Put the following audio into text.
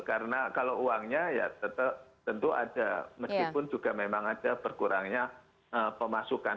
karena kalau uangnya ya tetap tentu ada meskipun juga memang ada berkurangnya pemasukan